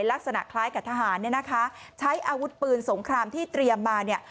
ลักษณะคล้ายกับทหารเนี่ยนะคะใช้อาวุธปืนสงครามที่เตรียมมาเนี่ย